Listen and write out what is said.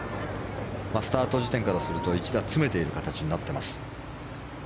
スタート時点からすると１打詰める形になっています。